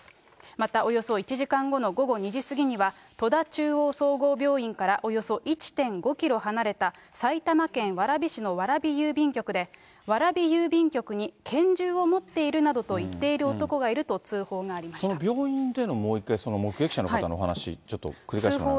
また、およそ１時間後の午後２時過ぎには、戸田中央総合病院からおよそ１．５キロ離れた埼玉県蕨市の蕨郵便局で蕨郵便局に拳銃を持っているなどと言っている男がいると通報その病院でのもう一回、目撃者の方のお話、ちょっと繰り返してもらえますか。